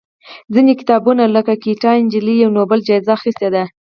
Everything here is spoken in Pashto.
ځینې کتابونه لکه ګیتا نجلي یې نوبل جایزه اخېستې ده.